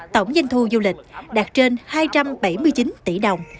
tổng doanh thu du lịch đạt trên hai trăm bảy mươi chín tỷ đồng